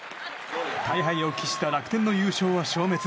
大敗を喫した楽天の優勝は消滅。